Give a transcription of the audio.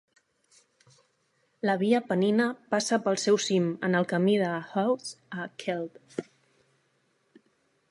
La Via Penina passa pel seu cim, en el camí de Hawes a Keld.